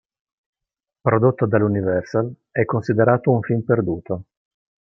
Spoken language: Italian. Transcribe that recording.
Prodotto dall'Universal, è considerato un film perduto.